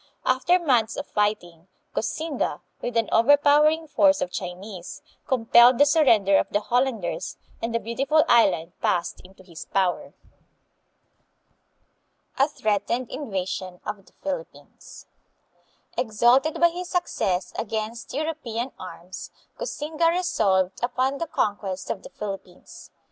After months of fighting, Koxinga, with an overpowering force of Chinese, com pelled the surrender of the Hollanders and the beautiful island passed into his power. 210 THE PHILIPPINES. A Threatened Invasion of the Philippines Exalted by his success against European arms, Koxinga resolved upon the conquest of the Philippines.